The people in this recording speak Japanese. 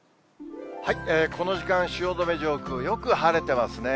この時間、汐留上空、よく晴れてますね。